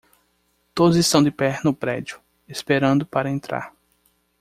Todos estão de pé no prédio? esperando para entrar.